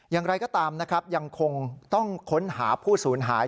อย่างไรก็ตามนะครับยังคงต้องค้นหาผู้สูญหาย